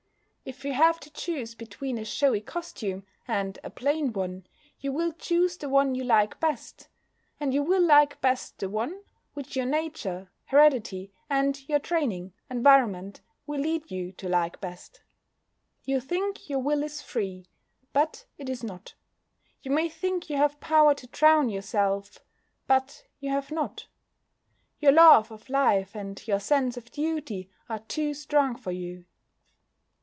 If you have to choose between a showy costume and a plain one you will choose the one you like best, and you will like best the one which your nature (heredity) and your training (environment) will lead you to like best. You think your will is free. But it is not. You may think you have power to drown yourself; but you have not. Your love of life and your sense of duty are too strong for you.